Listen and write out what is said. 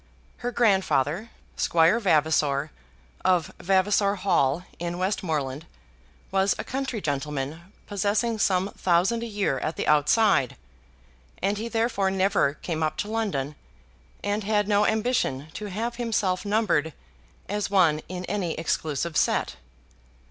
Her grandfather, Squire Vavasor of Vavasor Hall, in Westmoreland, was a country gentleman, possessing some thousand a year at the outside, and he therefore never came up to London, and had no ambition to have himself numbered as one in any exclusive set.